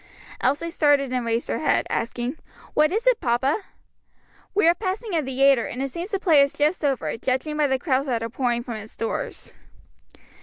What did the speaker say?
Elsie started and raised her head, asking, "What is it, papa?" "We are passing a theatre, and it seems the play is just over, judging by the crowds that are pouring from its doors."